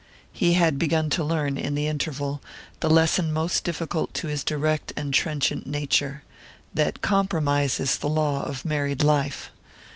He had begun to learn, in the interval, the lesson most difficult to his direct and trenchant nature: that compromise is the law of married life.